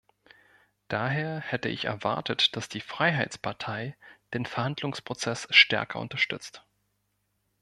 Daher hätte ich erwartet, dass die Freiheitspartei den Verhandlungsprozess stärker unterstützt.